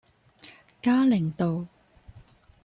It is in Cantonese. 嘉齡道